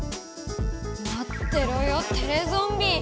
まってろよテレゾンビ！